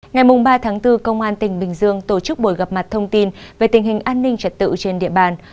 ngày ba bốn công an tỉnh bình dương tổ chức buổi gặp mặt thông tin về tình hình an ninh trật tự trên địa bàn